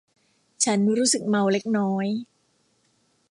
ฉันรู้สึกเมาเล็กน้อย